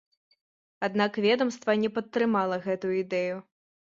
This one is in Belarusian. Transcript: Аднак ведамства не падтрымала гэтую ідэю.